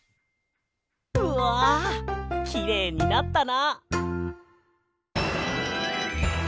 うわきれいになったな！